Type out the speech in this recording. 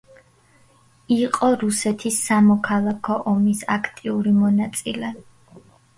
იყო რუსეთის სამოქალაქო ომის აქტიური მონაწილე.